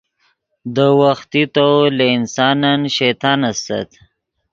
دے وختی طور لے انسانن شیطان استت